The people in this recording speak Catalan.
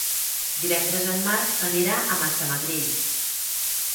Divendres en Marc anirà a Massamagrell.